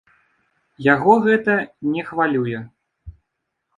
Яго гэта не хвалюе.